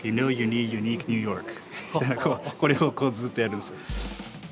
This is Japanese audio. これをずっとやるんですよ。